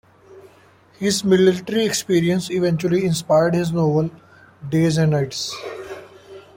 His military experience eventually inspired his novel "Days and Nights".